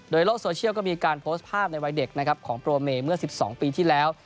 โลกโซเชียลก็มีการโพสต์ภาพในวัยเด็กนะครับของโปรเมย์เมื่อ๑๒ปีที่แล้ว